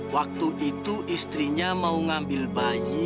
waktu itu istrinya mau ngambil bayi